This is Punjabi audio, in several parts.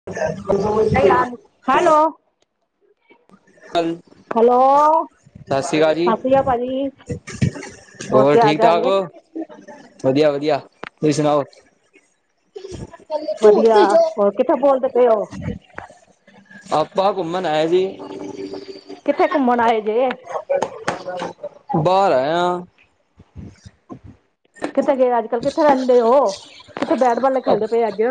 ਸਮ [inaudible] ਹੈਲੋ ਹਾਂ [unintelligible] ਹੈਲੋ, ਜੀ ਸਤਿ ਸ੍ਰੀ ਅਕਾਲ ਭਾਜੀ ਹੋਰ ਕੀ ਹਾਲ ਚਾਲ ਠੀਕ-ਠਾਕ ਏ ਹੋ, ਵਧੀਆ, ਵਧੀਆ ਤੁਸੀਂ ਸੁਣਾਓ ਵਧੀਆ, ਹੋਰ ਕਿੱਥੋਂ ਬੋਲਦੇ ਪਏ ਉਹ ਆਪਾਂ ਘੁੰਮਣ ਆਏ ਨੀਂ। ਕਿੱਥੇ ਘੁੰਮਣ ਆਏ ਜੇ ਬਾਹਰ ਆਇਆ। ਕਿੱਥੇ ਗਏ ਅੱਜ ਕੱਲ੍ਹ ਕਿੱਥੇ ਰਹਿੰਦੇ ਉਹ, ਕਿੱਥੇ ਬੈਟਬਾਲ ਖੇਡਦੇ ਪਏ ਅੱਜ।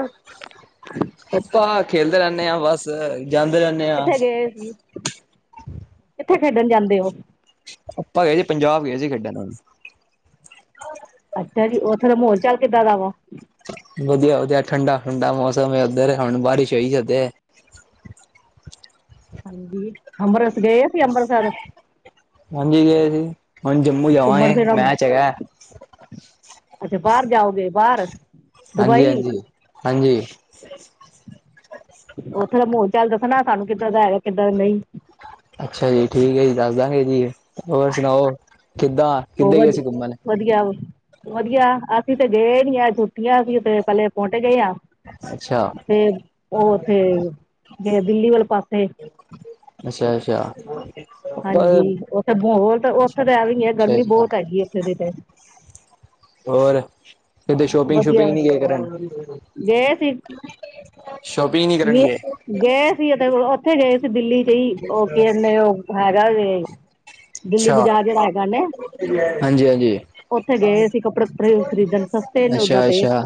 ਐਪਾਂ ਖੇਲਦੇ ਰਹਿੰਦੇ ਹਾਂ, ਬਸ ਜਾਂਦੇ ਰਹਿੰਦੇ ਹਾਂ। ਇਹ ਜੀ। ਕਿੱਥੇ ਖੇਡਣ ਜਾਂਦੇ ਉਹ। ਆਪਾਂ ਗਏ ਸੀ ਪੰਜਾਬ ਗਏ ਸੀ ਖੇਡਣ ਨਾਲ। ਅੱਛਾ ਜੀ ਓਥੋਂ ਦਾ ਬੋਲ ਚਾਲ ਕਿੱਦਾਂ ਦਾ ਵਾ। ਵਧੀਆ ਵਧੀਆ ਠੰਡਾ ਠੰਡਾ ਮੌਸਮ ਇਧਰ ਹੁਣ ਬਾਰਿਸ਼ ਹੋਈ ਹ। ਹਾਂਜੀ ਅੰਮ੍ਰਿਤਸ ਗਏ ਸੀ ਅੰਮ੍ਰਿਤਸਰ ਹਾਂਜੀ ਗਏ ਸੀ ਹੁਣ ਜੰਮੂ ਘੁੰਮਣ ਜਾਵਾਂਗੇ ਫਿਰਨ ਮੈਂ ਚਗਾ ਅੱਛਾ, ਬਾਹਰ ਜਾਓਗੇ ਬਾਹਰ। ਹਾਂਜੀ ਦੁਬਈ ਹਾਂਜੀ ਹਾਂਜੀ। ਉੱਥੇ ਦਾ ਮਾਹੌਲ ਚਾਲ ਦੱਸਣਾ ਸਾਨੂੰ ਕਿੱਦਾਂ ਦਾ ਹੈਗਾ ਕਿੱਦਾਂ ਦਾ ਨਹੀਂ। ਅੱਛਾ ਜੀ ਠੀਕ ਹੈ, ਜੀ ਦੱਸ ਦਾਂਗੇ ਜੀ ਹੋਰ ਸੁਣਾਓ ਕਿੱਦਾਂ ਉਹ ਕਿੱਦਰ ਗਏ ਵਧੀ ਸੀ ਘੁੰਮਣ। ਵਧੀਆ ਵਧੀਆ ਅਸੀਂ ਤੇ ਗਏ ਨੀ ਆ ਛੁੱਟੀਆਂ ਸੀ ਤੇ ਪਹਿਲੇ ਪੋਂਟੇ ਗਏ ਆ। ਅੱਛਾ ਤੇ ਉਹ ਉੱਥੇ ਜ ਦਿੱਲੀ ਵਾਲੇ ਪਾਸੇ। ਅੱਛਾ ਅੱਛਾ। ਹਾਂਜੀ ਉੱਥੇ ਤਾਂ ਬਹੁਤ ਉੱਥੇ ਤਾਂ ਐਵੇਂ ਹੀ। ਹੈ ਸਤਿ ਗਰਮੀ ਸ਼੍ਰੀ ਬਹੁਤ ਅਕਾਲ ਹੈਗੀ ਉੱਥੇ ਦੀ ਤੇ ਹੋਰ। ਕਦੇ ਸ਼ੋਪਿੰਗ ਵਧੀਆ ਸ਼ੂਪਿੰਗ ਨੀ ਗਏ ਕਰਨ। ਸ਼ੋਪਿੰਗ ਨਹੀਂ ਕਰਨ ਨਿ ਗਏ ਗਏ ਸੀ ਉਹਦੇ ਕੋਲ ਉੱਥੇ ਗਏ ਸੀ ਦਿੱਲੀ ਚ ਹੀ ਉਹ ਕੀੇ ਉਹ। ਹੈਗਾ ਜੇ ਦਿੱਲੀ ਅੱਛਾ ਬਾਜ਼ਾਰ ਜਿਹੜਾ ਹੈਗਾ ਨਾ। ਹਾਂਜੀ ਹਾਂਜੀ ਉੱਥੇ ਗਏ ਅਸੀਂ ਕੱਪੜੇ ਕੱਪੜੇ ਖਰੀਦਣ ਵਾਸਤੇ ਸਸਤੇ ਨੇ ਉਓਦਾਂ ਅੱਛਾ ਤੇ। ਅੱਛਾ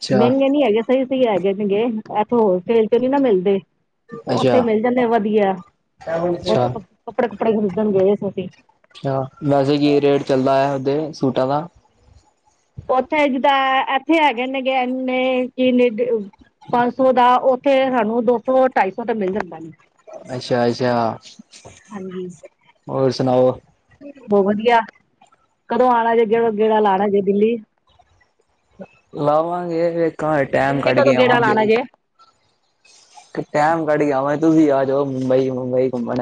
ਅੱਛਾ ਮਹਿੰਗੇ ਨਹੀਂ ਹੈਗੇ ਸਹੀ ਸਹੀ ਹੈਗੇ ਤੇ ਇਥੋਂ ਹੋਲ ਸੇਲ ਤੇ ਨਹੀਂ ਨਾ ਮਿਲਦੇ। ਉੱਥੇ ਅੱਛਾ ਮਿਲ ਜਾਂਦੇ ਆ ਵਧੀਆ ਅੱਛਾ ਉੱਥੇ ਕੱਪੜੇ ਕੁੱਪੜੇ ਖਰੀਦਣ ਗਏ ਸੀ ਅਸੀਂ। ਅੱਛਾ, ਵੈਸੇ ਕੀ ਰੇਟ ਚੱਲਦਾ ਏ ਓਦੇ ਸੂਟਾਂ ਦਾ। ਉੱਥੇ ਜਿੱਦਾਂ ਇੱਥੇ ਹੈਗੇ ਏਨੇ ਕਿ ਨੀਡਉ। ਪੰਜ ਸੌ ਦਾ ਸੂਟ ਉੱਥੇ ਸਾਨੂੰ ਦੋ ਸੌ ਢਾਈ ਸੌ ਤੇ ਮਿਲ ਜਾਂਦਾ। ਅੱਛਾ ਅੱਛਾ ਹਾਂਜੀ ਹੋਰ ਸੁਣਾਓ। ਬਹੁਤ ਵਧੀਆ ਕਦੋਂ ਆਉਣਾ ਜੇ ਗੇੜਾ ਲਾਣਾ ਜੇ ਦਿੱਲੀ। ਲਾਵਾਂਗੇ ਵੇਖਾਗੇਂ ਟਾਈਮ ਦਿੱਲੀ ਕੱਢ ਕਦੋਂ ਕੇ ਆਵਾਂਗੇ। ਟੈਮ ਕੱਢ ਕੇ ਆਓ ਤੁਸੀਂ ਆ ਜਾਓ ਮੁੰਬਈ ਮੁੰਬਈ ਘੁੰਮਣ।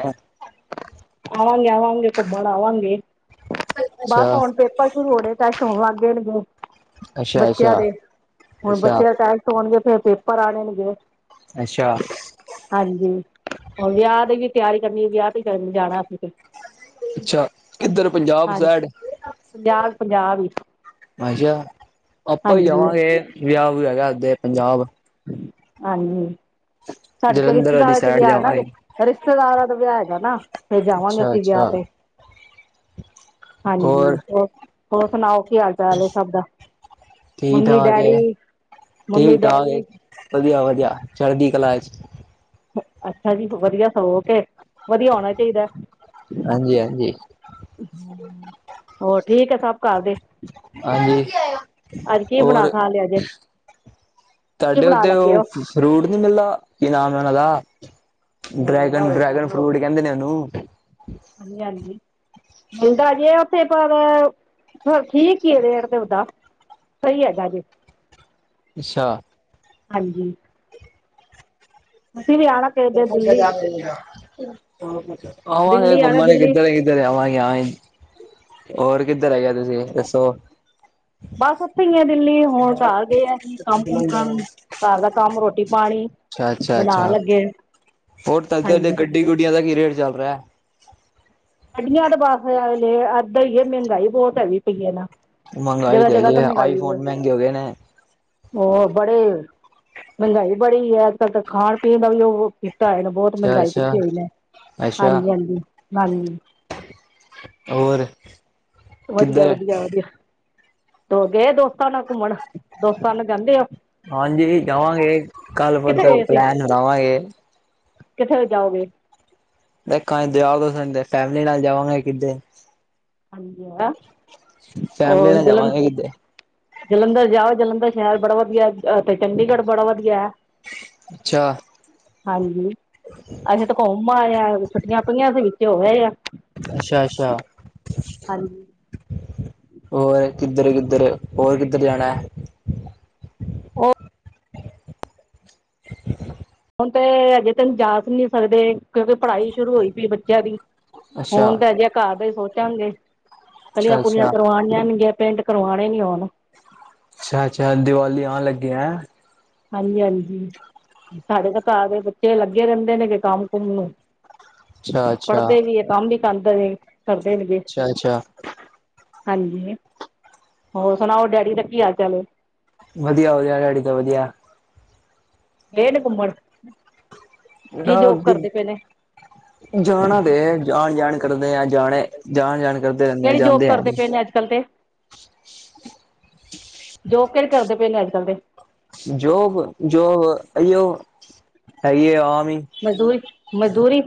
ਆਵਾਂਗੇ ਆਵਾਂਗੇ ਘੁੰਮਣ ਆਵਾਂਗੇ ਬਸ ਅੱਛਾ ਹੁਣ ਪੇਪਰ ਸ਼ੁਰੂ ਹੋਣੇ। ਟੈਸਟ ਤਾਂ ਸੋਵਾਰ ਦੇਣਗੇ ਅੱਛਾ ਬੱਚਿਆਂ ਅੱਛਾ ਦੇ ਹੁਣ ਅੱਛਾ ਬੱਚਿਆਂ ਦਾ ਟੈਸ਼ਟ। ਹੋਣਗੇ ਫੇਰ ਪੇਪਰ ਆਣੇਗੇ। ਅੱਛਾ, ਹਾਂਜੀ ਹੁਨ ਵਿਆਹ ਦੀ ਵੀ ਤਿਆਰੀ ਕਰਨੀ ਵਿਆਹ ਤੇ ਕਰਨ ਜਾਣਾ ਅਸੀਂ ਫਿਰ। ਅੱਛਾ ਕਿੱਧਰ ਪੰਜਾਬ ਹਾਂਜੀ ਸਾਈਡ। ਪੰਜਾਬ ਪੰਜਾਬ ਈ। ਅੱਛਾ ਆਪਾਂ ਵੀ ਜਾਵਾਂਗੇ ਵਿਆਹ ਵਿਯੂ ਹੈਗਾ ਅਗੇ ਪੰਜਾਬ। ਹਾਂਜੀ ਸਾਡੇ ਤੇ ਜਲੰਧਰ ਵਾਲੀ ਰਿਸ਼ਤੇਦਾਰ ਚ ਸਾਈਡ ਵੇਹਾ ਨਾ। ਜਾਵਾਂਗੇ। ਰਿਸ਼ਤੇਦਾਰਾਂ ਦਾ ਵਿਆਹ ਹੈਗਾ ਨਾ ਫਿਰ ਜਾਵਾਂਗੇ ਅੱਛਾ ਅਸੀਂ ਵਿਆਹ ਅੱਛਾ। ਤੇ। ਹੋਰ ਹਾਂਜੀ ਹੋਰ ਸੁਣਾਓ ਕੀ ਹਾਲ ਚਾਲ ਸਭ ਦਾ। ਠੀਕ ਮੰਮੀ ਠਾਕ ਏ ਡੈਡੀ। ਠੀਕ ਮੰਮੀ ਠਾਕ ਏ ਡੈਡੀ। ਵਧੀਆ ਵਧੀਆ ਚੜ੍ਹਦੀ ਕਲਾ ਚ। ਅੱਛਾ ਜੀ ਵਧੀਆ ਸਗੋ ਓਕੇ ਵਧੀਆ ਹੋਣਾ ਚਾਹੀਦਾ ਏ। ਹਾਂਜੀ ਹਾਂਜੀ। ਹੋਰ ਠੀਕ ਹੈ ਸਭ ਘਰ ਦੇ। ਹਾਂਜੀ ਅੱਜ ਕੀ ਬਣਾ ਹੋਰ। ਖਾ ਲਿਆ ਜੇ ਕੀ ਤੁਹਾਡੇ ਬਣਾ ਉਥੇ ਲੱਗੇ ਉਹ। ਹੋ ਫਰੂਟ ਨੀ ਮਿਲਦਾ ਕੀ ਨਾਮ ਏ ਓਨਾਂ ਦਾ, ਡਰੈਗਨ ਡਰੈਗਨ ਫਰੂਟ ਕੈਨਦੇ ਨੇ ਓਨੂੰ। ਜੀ, ਹਾਂਜੀ। ਮਿਲਦਾ ਜੇ ਓਥੇ ਪੱਰ, ਠੀਕ ਈ ਏ ਰੇਟ ਦੇ [unintelligible] ਸਈ ਐਗਾ ਜੇ ਅੱਛਾ। ਹਾਂਜੀ। ਤੁਸੀਂ ਵੀ ਆਣਾ [unintelligible] ਆਵਾਗੇ, ਦਿੱਲੀ ਆਉਣਾ ਘੁੰਮਣ ਈ ਦਿੱਲੀ ਕਿੱਦਰ ਈ ਦਰ [unintelligible] ਓਰ ਕਿਦਰ ਐਗੇ ਓ ਤੁਸੀ ਦੱਸੋ ਬਾੱਸ ਓਥੇ ਈ ਆ ਦਿੱਲੀ, ਹੁਣ ਘਾੱਰ ਗਏ ਐ ਕਾੱਮ-ਕੁੱਮ ਕਰਨ, ਘਾੱਰ ਦਾ ਕਾੱਮ ਰੋਟੀ-ਪਾਣੀ। ਅੱਛਾ, ਅੱਛਾ, ਅੱਛਾ ਓਰ ਤਾਡੇ ਓਦੇ ਹਾਂਜੀ ਗੱਡੀ-ਗੁੱਡੀਆਂ ਦਾ ਕੀ ਰੇਟ ਚੱਲ ਰੇ ਐ। ਗੱਢੀਆਂ ਤੇ ਬਾੱਸ, ਲੇ ਐਦਾ ਈ ਏ ਮੈਂਗਾਈ ਬੋਤ ਹੈਗੀ ਪੱਈ ਏ ਨਾ। ਮਂਗਾਈ ਜਗ੍ਹਾ ਤੇ ਜਗ੍ਹਾ ਹੈਗੀ ਤਾਂ ਏ ਆਈਫੋਨ ਮੈੰਗੇ ਓ ਗੇਨੇ। ਓ ਬੜੇ। ਮੈਂਗਾਈ ਬੜੀ ਏ, ਆੱਜ-ਕਾੱਲ ਤੇ ਖਾਣ ਪੀਣ ਦਾ ਵੀ ਓਹ ਕੀਤਾ ਹੋਯਾਨੇ ਬੋਤ ਮੈਂਗਾਈ ਅੱਛਾ ਅੱਛਾ ਕੀਤੀ ਓਈ ਨੇ ਅੱਛਾ ਹਾਂਜੀ, ਹਾਂਜੀ-ਹਾਂਜੀ। ਓਰ ਵਦਿਆ, ਵਦਿਆ, ਵਦਿਆ ਤੇ ਹੋਰ ਗਏ ਦੋਸਤਾਂ ਨਾਲ ਕੁੰਮਣ, ਦੋਸਤਾਂ ਨਾ ਜਾਂਦੇ ਓ। ਹਾਂਜੀ, ਜਾਵਾਂਗੇ ਕਾੱਲ ਕਿੱਥੇ ਪਰਸੋਂ ਗਏ ਸੀ ਪਲੈਨ ਬਨਾਵਾਗੇ। [unintelligible] ਜਾਓਗੇ। ਦੇਖਾਂ [unintelligible] ਫੈਮਿਲੀ ਨਾਲ ਜਾਵਾਂਗੇ ਕਿੱਦੇ ਹਾਂਜੀ, ਆ ਫੈਮਿਲੀ ਓਰ ਨਾਲ ਜਲਨ ਜਾਵਾਂਗੇ ਕਿੱਦੇ ਜਲੰਧਰ ਜਾਓ ਜਲੰਧਰ ਸ਼ੈਰ ਬੜਾ ਵਦੀਆ ਏ, ਤੇ ਚੰਡੀਗੜ੍ਹ ਬੜਾ ਵਦੀਆ ਐ। ਅੱਛਾ ਹਾਂਜੀ, ਅਸੀ ਤਾਂ ਘੋਂਮ ਆਏ ਆ, ਛੁੱਟੀਆਂ ਪਈਆਂ ਸੀ ਵਿੱਚ ਹੋ ਆਏ ਆ। ਅੱਛਾ, ਅੱਛਾ ਹਾਂਜੀ। ਓਰ ਕਿਦਰ, ਕਿਦਰ ਓਰ ਕਿਦਰ ਜਾਣੈਂ ਓ ਹੁਨ ਤੇ ਅਜੇ ਤੇ ਜਾ ਨੀ ਸਕਦੇ ਕਿਯੋਂਕਿ ਪੜ੍ਹਾਈ ਸ਼ੁਰੂ ਓਈ ਪੀ ਬੱਚੇਆਂ ਦੀ ਅੱਛਾ ਹੋਨ ਤਾ ਅਜੇ ਘਾੱਰ ਦਾ ਈ ਸੋਚਾਂਗੇ ਕਲੀਆਂ ਅੱਛਾ ਕੁਲੀਆਂ ਅੱਛਾ [unintelligible] ਗੇ ਪੇੰਟ ਕਰਵਾਣੇ ਨਿ ਓਣ ਅੱਛਾ, ਅੱਛਾ ਦਿਵਾਲੀ ਆਨ ਲਗੀ ਐਂ। ਹਾਂਜੀ, ਹਾਂਜੀ ਸਾਡੇ ਤੇ ਘਾੱਰ ਦੇ ਬੱਚੇ ਲੱਗੇ ਰੈਨਦੇ ਨੇ ਗੇ ਕਾੱਮ-ਕੁੱਮ ਨੂੰ। ਅੱਛਾ ਅੱਛਾ ਪੜਦੇ ਵੀ ਏ ਕਾੱਮ ਵੀ ਕਰਾੰਦੇ ਨੇ, ਕਰਦੇ ਨੇ ਜੇ ਅੱਛਾ ਅੱਛਾ ਹਾਂਜੀ, ਹੋਰ ਸੁਣਾਓ ਡੈਡੀ ਦਾ ਕੀ ਹਾਲ-ਚਾਲ ਏ? ਵਦਿਆ, ਵਦਿਆ ਡੈਡੇ ਤੇ ਵਦਿਆ। ਗਏ ਨੇ ਕੁਮੱਣ? [unintelligible] ਜਾਣਾ ਤੇ ਐ, ਆਣ-ਜਾਣ ਕਰਦੇ ਐ, ਜਾਣੇ ਜਾਨ, ਜਾਨ ਕਰਦੇ ਰੈਨਦੇ ਐ ਜਾਂਦੇ ਐ ਨੀ ਸੈਕਲ ਤੇ। ਜੋਬ ਕੇੜੀ ਕਰਦੇ ਪੇ ਨੇ ਆੱਜ-ਕਾੱਲ ਦੇ। ਜੋਬ, ਜੋਬ ਅਇਯੋ ਹੈਗੀ ਏ ਆਮ ਈ। ਮਜਦੂਰੀ, ਮਜਦੂਰੀ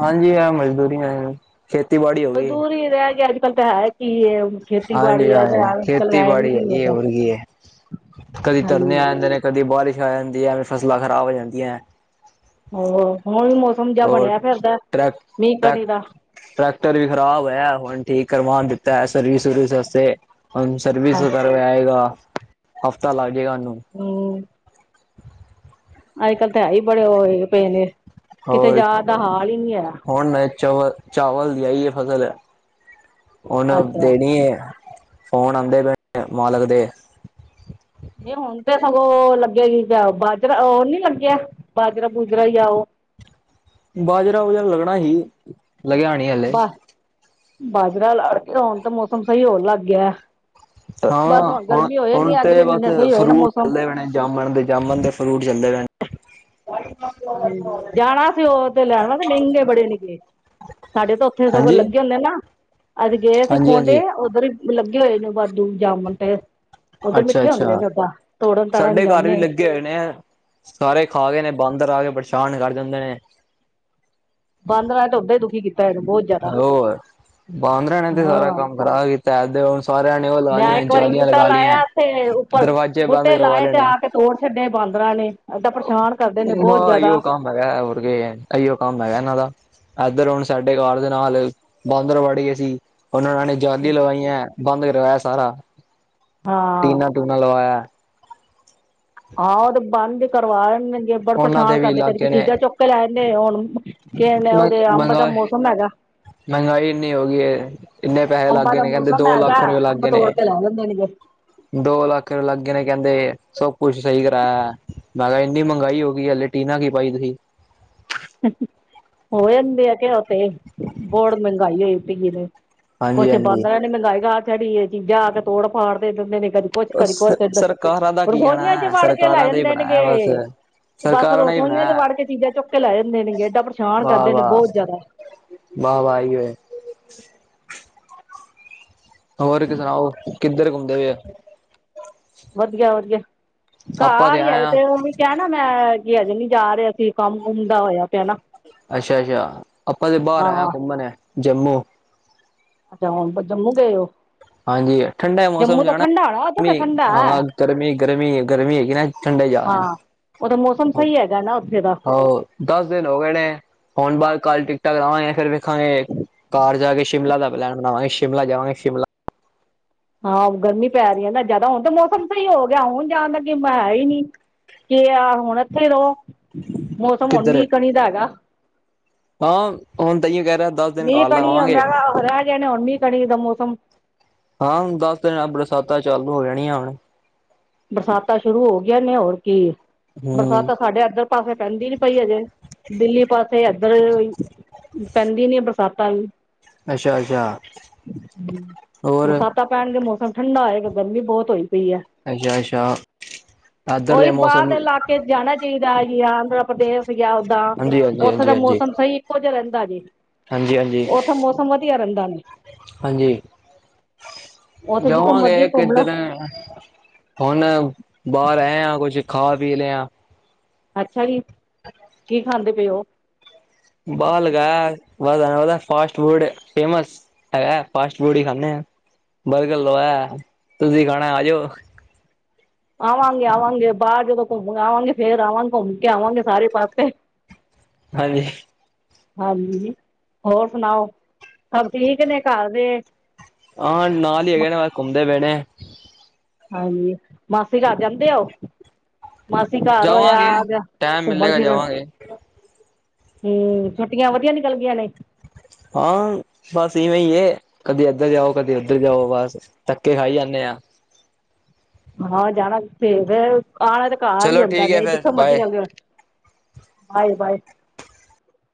ਹਾਂਜੀ ਐ, ਮਜ਼ਦੂਰੀਐ। ਖੇਤੀ ਬਾੜੀ ਮਜ਼ਦੂਰੀ ਰੈ ਗੀ ਐ ਆੱਜ-ਕਾੱਲ ਤਾ ਹੈ ਕੀ ਏ। ਹਾਂਜੀ, ਹਾਈ ਖੇਤੀਬਾੜੀ ਹੈਗੀ ਏ ਹੁੰਦਾ ਹੋਰ ਕੀ ਏ, ਕਦੀ ਧਰਨੇ ਹਾਂਜੀ ਆ ਜਾਂਦੇ ਨੇ। ਕਦੀ ਬਾਰਿਸ਼ ਆ ਜਾਂਦੀ ਐ, ਐਵੇ ਫਸਲਾਂ ਖ਼ਰਾਬ ਹੋ ਜਾਂਦੀਐ ਹੋ ਹੁਨ ਮੌਸਮ ਜਾ ਔਰ ਬਣਿਆ ਪੈਨਦੈ, ਟਰੈਕ ਮੀ ਟਰੈਕ ਕਣੀ ਦਾ। ਟਰੈਕਟਰ ਵੀ ਖ਼ਰਾਬ ਹੈ। ਹੁਣ ਠੀਕ ਕਰਵਾਣ ਦਿੱਤਾ, ਸਰਵਿਸ-ਸੁਰਵਿਸ ਵਸਤੇ, ਹੁਣ ਸਰਵਿਸ ਹਮ ਕਰਕੇ ਆਇਗਾ, ਹਫ਼ਤਾ ਲੱਗ ਜੇਗਾ ਉਹਨੂੰ। ਹੂ ਅੱਜ-ਕੱਲ ਤੇ, ਹੈਹੀ ਬੜੇ ਹੋਏ, ਪਏ ਨੇ, ਕਿਤੇ ਹੋਰ ਜਾਣ ਦਾ ਹਾਲ ਈ ਨਹੀਂ ਹੈਗਾ। ਹੁਣ ਮੈਂ ਚਵਲ-ਚਾਵਲ ਦੀ ਆਈ ਏ ਫਸਲ, ਹੁਣ ਅੱਛਾ ਦੇਣੀ ਏ। ਫੋਨ ਆਂਦੇ ਪਏ ਨੇ, ਮਾਲਕ ਦੇ। ਨਹੀਂ, ਹੁਣ ਤੇ ਸਗੋਂ ਲੱਗੇਗੀ ਬਾਜਰਾ ਉਹ ਨੀ ਲੱਗਿਆ, ਬਾਜਰਾ-ਬੂਜਰਾ ਯਾ, ਓਹ। ਬਾਜਰਾ-ਬੁਜਰਾ ਲੱਗਣਾ ਹੀ, ਲੱਗਿਆ ਬਾ, ਬਾਜਰਾ ਲਾਕੇ, ਹੁਣ ਤੇ ਮੌਸਮ ਸਹੀ ਹੋਣ ਲੱਗ ਗਿਆ। ਹਾਂ, ਬਸ ਹੁਣ ਗਰਮੀ ਹੋ ਜਾਣੀ ਹੁਣ ਏ ਤੇ ਅਗਲੇ ਬਸ ਮਹੀਨੇ ਸਹੀ ਹੋਏ ਨਾ ਫਰੂਟ ਮੌਸਮ। ਚਲਦੇ ਪਏ ਨੇ, ਜਾਮਣ ਦੇ ਜਾਮਣ ਦੇ ਫਰੂਟ ਚੱਲਦੇ ਰਹਿਣ। ਸਹੀ ਗਲ ਏ। ਹਾਂਜੀ, ਜਾਣਾ ਸੀ ਉਹ ਤੇ ਲੈਣਾ ਵਸਤੇ, ਮਹਿੰਗੇ ਬੜੇ ਨਿਕਲੇ। ਸਾਡੇ ਤਾ ਉੱਥੇ ਸਗੋਂ ਹਾਂਜੀ ਲੱਗੇ ਹੁੰਦੇ ਆ ਨਾ, ਅਸੀਂ ਗਏ ਸੀ ਹਾਂਜੀ ਪੋਂਟੇ ਹਾਂਜੀ ਉੱਧਰ ਹੀ ਲੱਗੇ ਹੋਏ ਨੇ, ਵਾਦੂ ਜਾਮਣ 'ਤੇ। ਉਹਦੇ ਅੱਛਾ ਮਿੱਠੇ ਹੁੰਦੇ ਨੇ ਓਹਦਾਂ, ਤੋੜਨ-ਤਾੜਨ ਜਾਂਨੇ ਆਂ। ਕਿ ਹੈਗੇ ਨੇ, ਸਾਰੇ ਖਾ ਗਏ ਨੇ, ਬਾੰਦਰ ਆ ਗਏ, ਪਰੇਸ਼ਾਨ ਕਰ ਜਾਂਦੇ ਨੇ। ਬਾਂਦਰਾ ਤੇ ਉਹਦਾਂ ਈ, ਦੁਖੀ ਕੀ ਹੋਰ, ਬਾਂਦਰਾਂ ਨੇ ਤੇ ਹਾਂ ਸਾਰਾ ਕੰਮ ਖਰਾਬ ਕੀਤਾ, ਇਧਰ ਹੁਣ ਸਾਰਿਆਂ ਨੇ ਉਹ ਲਾ ਮੈਂ ਲਈਆਂ ਇੱਕ ਵਾਰੀ ਜਾਲੀਆਂ ਬੂਟਾ ਲਗਾ ਲਈਆਂ ਲਾਇਆ, ਤੇ ਉੱਪਰ ਦਰਵਾਜ਼ੇ ਬੰਦ ਬੂਟੇ ਕਰਵਾ ਲਾਏ ਤੇ ਆਕੇ ਤੋੜ ਛੱਡੇ ਬਾਂਦਰਾਂ ਨੇ। ਏਦਾਂ ਪਰੇਸ਼ਾਨ ਕਰਦੇ ਨੇ ਬਹੁਤ ਹਾਂ, ਏਈਓ ਜ਼ਿਆਦਾ। ਕੰਮ ਹੈਗਾ, ਹੋਰ ਕੀਏ, ਇਈਓ ਕੰਮ ਹੈਗਾ, ਇਹਨਾਂ ਦਾ। ਇੱਧਰ ਹੁਣ ਸਾਡੇ ਘਰ ਦੇ ਨਾਲ, ਬਾਂਦਰ ਵੜ ਗਏ ਸੀ। ਉਹਨਾਂ ਨੇ ਜਾਲੀ ਲਵਾਈਆਂ ਬੰਦ ਕਰਵਾਇਆ ਸਾਰਾ, ਹਾਂ ਟੀਨਾਂ-ਟੂਨਾਂ ਲਵਾਇਆ। ਹਾਂ, ਉਹ ਤੇ ਬੰਦ ਹੀ ਕਰਵਾ ਲੈਣਗੇ, ਜੇ ਬੜੇ ਉਹਨਾਂ ਪਰੇਸ਼ਾਨ ਦੇ ਵੀ ਕਰਦੇ, ਕਦੇ ਇਲਾਕੇ ਨੇ ਚੀਜ਼ਾਂ ਚੁੱਕਕੇ ਲੈ ਜਾਂਦੇ ਹੁਣ ਕਿਹਣੇੇ, ਮ ਓਹਦੇ ਅੰਬ ਦਾ ਮਹਿੰਗਾਈ ਮੋਸਮ ਹੈਗਾ। ਮਹਿੰਗਾਈ ਇੰਨੀ ਹੋ ਗਈ ਏ, ਇੰਨੇ ਪੈਹੇ ਅੰਬਾਂ ਲੱਗਗੇ ਦਾ ਨੇ, ਕਹਿੰਦੇ ਮੌਸਮ ਹੈਗਾ ਦੋ-ਲੱਖ ਰੁਪਏ ਅੰਬ ਲੱਗਗੇ ਤੋੜ ਨੇ। ਕੇ ਲੈ ਜਾਂਦੇ ਨੇਗੇ ਦੋ-ਲੱਖ ਰੁਪਏ ਲੱਗਗੇ ਨੇ ਕਹਿੰਦੇ, ਸਭ ਕੁਛ ਸਹੀ ਕਰਾਇਆ। ''ਮੈਂ ਕਿਹਾ ਇੰਨੀ ਮਹਿੰਗਾਈ ਹੋ ਗਈ, ਹਲੇ ਟੀਨਾ ਕੀ ਪਾਈ ਤੁਹੀ। ਹੰ ਹ ਹੋ ਯਾਂਦੇ ਆ, ਕਿ ਓਤੇ ਬੋੜ ਮਹਿੰਗਾਈ ਹੋਈ ਪਈਏ ਨੇ। ਹਾਂਜੀ ਕੁਛ ਹਾਂਜੀ ਬਾਂਦਰਾਂ ਨੇ ਮਹਿੰਗਾਈ ਕਰਾ ਛੜੀ ਏ, ਚੀਜ਼ਾਂ ਆਕੇ ਤੋੜ-ਫਾੜ ਦੇ ਦਿੰਦੇ ਨੇ ਕਦੀ ਕੁੱਝ, ਉਹ ਕਦੀ ਸ ਕੁਝ, ਸਰਕਾਰਾਂ ਦਾ ਕੀ ਰਸੋਈਆਂ'ਚ ਕਹਿਣਾ ਵੜਕੇ ਲੈ ਸਰਕਾਰਾਂ ਦਾ ਹੀ ਜਾਂਦੇਨ ਬਣਾਇਆ ਬਸ ਗੇ। ਬਸ ਸਰਕਾਰਾਂ ਨੇ ਹੀ ਰਸੋਈਆਂ'ਚ ਬਣਾਇਆ ਵੜਕੇ ਚੀਜ਼ਾਂ ਚੁੱਕਕੇ ਲੈ ਜਾਂਦੇ ਨ ਗੇ, ਇਹਡਾ ਪਰੇਸ਼ਾਨ ਕਰਦੇ ਨੇ, ਬਹੁਤ ਜ਼ਿਆਦਾ। ਵਾਹ-ਵਾਹੀ ਏ। ਹੋਰ ਕ ਸੁਣਾਓ, ਕਿੱਧਰ ਘੁੰਮਦੇ ਪਏ ਓ? ਵਧੀਆ-ਵਧੀਆ, ਘਰ ਹੀ ਆਏ ਤੇ, ਓਹ ਵੀ ਕਿਆ ਨਾ ''ਮੈਂ ਕੀ ਹਜੇ ਨੀ ਜਾ ਰਹੇ ਅਸੀਂ, ਕੰਮ-ਕੁੰਮ ਦਾ ਹੋਇਆ ਪਿਆ ਨਾ। ਅੱਛਾ-ਅੱਛਾ, ਆਪਾਂ ਤੇ ਬਾਹਰ ਆਏ ਆਂ, ਹਾਂ ਘੁੰਮਣ ਜੰਮੂ। ਅੱਛਾ, ਹੁਣ ਜੰਮੂ ਗਏ ਹੋ? ਹਾਂਜੀ, ਠੰਡਾ ਮੌਸਮ ਜੰਮੂ ਤਾਂ ਜਾਣਾ ਠੰਡਾ ਹੋਣਾ ਉੱਥੇ ਤਾਂ ਠੰਡਾ ਹੈ ਹਾਂ, ਗਰਮੀ, ਗਰਮੀ, ਗਰਮੀ ਹੇਗੀ ਨਾ ਠੰਡੇ ਜਾ ਰਹੇ ਆਂ। ਓਥੇ ਮੌਸਮ ਸਹੀ ਹੈਗਾ ਨਾ, ਉੱਥੇ ਦਾ। ਦੱਸ ਦਿਨ ਹੋ ਗਏ ਨੇ, ਹੁਣ ਬਾਦ ਕੱਲ ਟਿਕਟਾਂ ਕਰਾਵਾਂਗੇ ਫਿਰ ਵੇਖਾਂਗੇ ਘਰ ਜਾਕੇ ਸ਼ਿਮਲਾ ਦਾ ਪਲੈਨ ਬਣਾਵਾਂਗੇ, ਸ਼ਿਮਲਾ ਜਾਵਾਂਗੇ ਸ਼ਿਮਲਾ। ਹਾਂ, ਗਰਮੀ ਪੈ ਰਹੀ ਹੈ ਨਾ ਜਿਆਦਾ, ਹੁਣ ਤੇ ਮੌਸਮ ਸਹੀ ਹੋਗਿਆ, ਹੁਣ ਜਾਣ ਦਾ ਗ ਹੈਹੀ ਨੀ। ਕੇ, ਆ ਹੁਣ ਇੱਥੇ ਰਹੋ, ਮੌਸਮ ਹੁਣ ਕਿੱਧਰ ਮੀਂਹ, ਕਣੀ ਦਾ ਹੈਗਾ। ਹਾਂ, ਹੁਣ ਤਾਂਹੀਓ ਕਹਿ ਰਹਾ ਮੀਂਹ, ਕਣੀ ਮੈਂ ਕਿਹਾ ਰਹਿ ਗਣੇ ਨੇ, ਹੁਣ ਮੀਂਹ, ਕਣੀਦਾ ਮੌਸਮ। ਹਾਂ, ਹੁਣ ਦੱਸ ਦਿਨ ਬਰਸਾਤਾਂ ਚਾਲੂ ਹੋ ਜਾਣੀਆਂ, ਹੁਣ। ਬਰਸਾਤਾ ਸ਼ੁਰੂ ਹੋਗੀਆ ਨੇ ਹੋਰ ਕੀ, ਹੂੰ ਬਰਸਾਤਾ ਸਾਡੇ ਇੱਧਰ ਪਾਸੇ ਪੈਂਦੀ ਨੀ ਪਈ ਹਜੇ, ਦਿੱਲੀ ਪਾਸੇ ਇੱਧਰ ਪੈਂਦੀ ਨੀ ਬਰਸਾਤਾਂ, ਅੱਛਾ, ਅੱਛਾ, ਹੋਰ, ਬਰਸ਼ਾਤਾਂ ਪੈਣਗੀਆ ਮੌਸਮ ਠੰਡਾ ਆਏਗਾ ਗਰਮੀ ਬਹੁਤ ਹੋਈ ਪਈ ਆ। ਅੱਛਾ, ਅੱਛਾ। ਉਹੀ ਬਾਹਰ ਦੇ ਇਲਾਕੇ ਜਾਣਾ ਚਾਹੀਦਾ ਹੈ, ਜੀ ਆਂਦਰਾਂ ਪ੍ਰਦੇਸ਼, ਓਦਾਂ ਉੱਥੇ ਦਾ ਹਾਂਜੀ-ਹਾਂਜੀ-ਹਾਂਜੀ-ਹਾਂਜੀ ਮੌਸਮ ਸਹੀ ਇੱਕੋ ਜਿਹਾ ਰਹਿੰਦਾ ਜੇ, ਉੱਥੇ ਮੌਸਮ ਵਧੀਆ ਵਧੀਆ ਰਹਿੰਦਾ। ਹਾਂਜੀ, ਉੱਥੇ ਜਿੱਥੋਂ ਮਰਜ਼ੀ ਜਾਵਾਂਗੇ ਘੁੰਮ ਲਓ ਕਿੱਧਰ ਹੁਣ, ਬਾਹਰ ਆਏ ਹਾਂ ਕੁੱਛ ਖਾ ਪੀ ਲਿਆ। ਅੱਛਾ ਜੀ, ਕੀ ਖਾਂਦੇ ਪਏ ਹੋ? ਬਾਹਰ ਲਗਾ ਉਹਦਾ ਫਾਸਟ ਫੂਡ ਫੇਮਸ। ਹੈਗਾ ਫਾਸਟ ਫੂਡ ਹੀ ਖਾਂਦੇ ਆ, ਬਰਗਰ ਲੋ ਹੈ, ਤੁਸੀਂ ਖਾਣਾ ਆਜੋ। ਆਵਾਂਗੇ ਆਵਾਂਗੇ ਬਾਹਰ ਜਦੋਂ ਘੁੰਮ ਆਵਾਂਗੇ, ਫੇਰ ਆਵਾਂਗੇ ਘੁੰਮ ਕੇ ਆਵਾਂਗੇ ਸਾਰੇ ਪਾਸੇ। ਹਾਂਜੀ ਹਾਂਜੀ, ਹੋਰ ਸੁਣਾਓ ਸਭ ਠੀਕ ਨੇ ਘਰ ਦੇ? ਹਾਂ, ਨਾਲ ਹੀ ਹੈਗੇ ਨੇ ਬਸ ਘੁੰਮਦੇ ਪਏ ਨੇ। ਹਾਂਜੀ ਮਾਸੀ ਘਰ ਜਾਂਦੇ ਉਹ ਮਾਸੀ ਘਰ ਹੋਇਆ ਜਾਵਾਂਗੇ ਅੱਜ ਟਾਈਮ ਘੁੰਮਣ ਮਿਲੇਗਾ ਫਿਰਨ, ਜਾਵਾਂਗੇ ਹੂੰ, ਛੁੱਟੀਆਂ ਵਧੀਆ ਨਿਕਲ ਗਈਆਂ ਨੇ, ਹਾਂ, ਬਸ ਇਵੇਂ ਹੈ, ਕਦੇ ਇੱਧਰ ਜਾਓ ਕਦੇ ਉੱਧਰ ਜਾਓ ਬਸ। ਧੱਕੇ ਖਾਈ ਜਾਂਦੇ ਹਾਂ। ਹਾਂ, ਜਾਣਾ ਕਿੱਥੇ ਫਿਰ ਆਣਾ ਤੇ ਘਰ ਹੀਈ ਚਲੋ ਆਉਂਦਾ ਠੀਕ ਹੈ ਨੇ ਫੇਰ ਜਿੱਥੋਂ ਮਰਜੀ ਬਾਏ ਚੱਲਦੇ ਹੋ ਬਾਏ ਬਾਏ